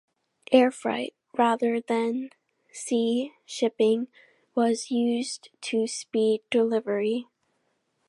Air freight, rather than sea shipping, was used to speed delivery.